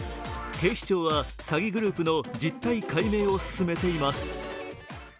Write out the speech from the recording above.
警視庁は詐欺グループの実態解明を進めています。